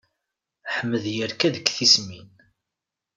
Ḥmed yerka deg tismin.